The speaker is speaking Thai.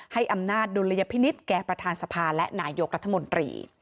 ให้อำนาจดุลยพินิษฐ์แก่ประธานสภาและนายกรัฐมนตรี